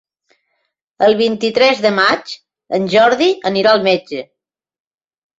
El vint-i-tres de maig en Jordi anirà al metge.